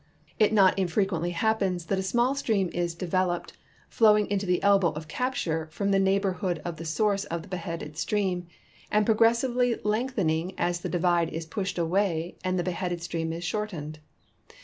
It not infrequently happens that a small stream is developed, flowing into the elbow of capture from the neighborhood of the source of the beheaded stream, and pro gressivel}" lengthening as the divide is })ushed away and the be headed stream is shortened.